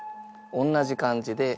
おんなじ感じで味